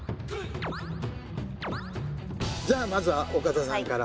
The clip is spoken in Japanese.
じゃあまずは岡田さんから。